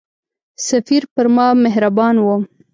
سفیر پر ما مهربان وو.